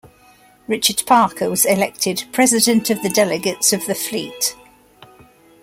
Richard Parker was elected "President of the Delegates of the Fleet".